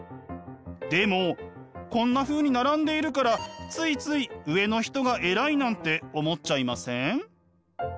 でもこんなふうに並んでいるからついつい上の人が偉いなんて思っちゃいません？